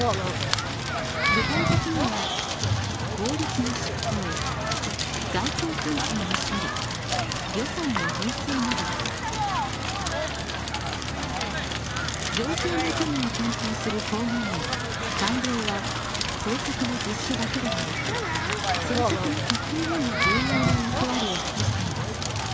具体的には行政の事務を担当する公務員官僚は政策の実施だけではなく政策の決定にも重要な役割を果たしています。